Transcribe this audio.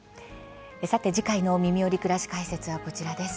さて次回の「みみより！くらし解説」はこちらです。